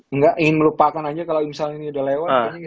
nggak ingin melupakan aja kalau misalnya ini udah lewat